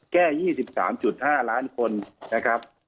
แก้๒๓๕ล้านคนนะครับ